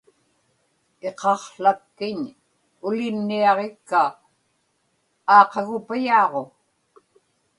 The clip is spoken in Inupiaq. iqaqłakkiñ ulinniaġikka aaqagupayaaġu